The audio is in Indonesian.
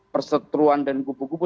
persetruan dan kupu kupu